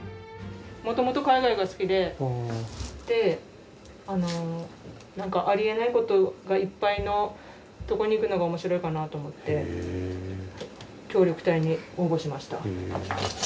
もともと海外が好きでなんかありえないことがいっぱいのとこに行くのがおもしろいかなと思って協力隊に応募しました。